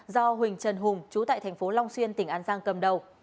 do huỳnh trần hùng chú tại thành phố long xuyên tỉnh an giang cầm đầu